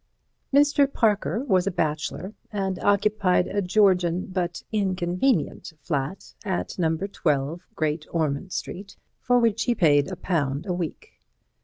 V Mr. Parker was a bachelor, and occupied a Georgian but inconvenient flat at No. 12 Great Ormond Street, for which he paid a pound a week.